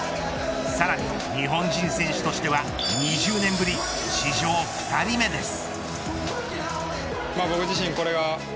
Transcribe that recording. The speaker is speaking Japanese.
さらに、日本人選手としては２０年ぶり、史上２人目です。